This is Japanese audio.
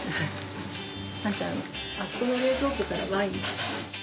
あそこの冷蔵庫からワイン。